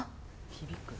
響く。